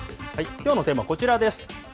きょうのテーマ、こちらです。